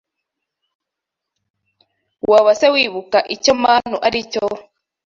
Waba se wibuka icyo manu ari cyo